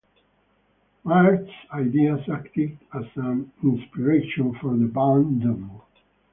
Maerth's ideas acted as an inspiration for the band Devo.